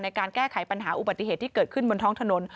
ในการแก้ไขปัญหาอุบัติเหตุที่เกิดขึ้นบนท้องถนน